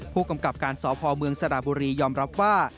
ผู้กำกับการสพเมืองสระบุรียอมรับว่า